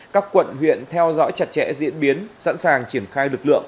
các quận huyện theo dõi chặt chẽ diễn biến sẵn sàng triển khai lực lượng